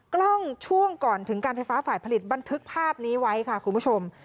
กล้องช่วงก่อนถึงการไฟฟ้าฝ่ายผลิตบันทึกภาพนี้ไว้ค่ะคุณผู้ชม